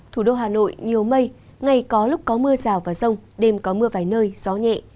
thủ đô hà nội nhiều mây ngày có lúc có mưa rào và rông đêm có mưa vài nơi gió nhẹ